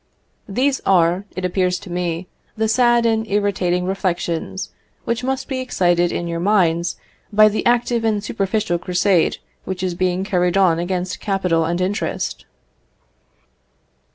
These are, it appears to me, the sad and irritating reflections which must be excited in your minds by the active and superficial crusade which is being carried on against capital and interest.